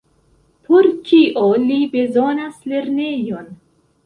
Por kio li bezonas lernejon?